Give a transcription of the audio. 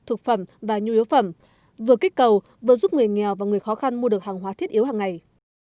thực phẩm và nhu yếu phẩm vừa kích cầu vừa giúp người nghèo và người khó khăn mua được hàng hóa thiết yếu hằng ngày